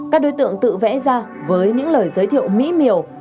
các đối tượng tự vẽ ra với những lời giới thiệu mỹ miều